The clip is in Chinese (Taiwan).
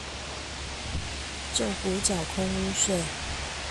就補繳空屋稅